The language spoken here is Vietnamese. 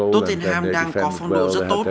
tottenham đang có phong độ rất tốt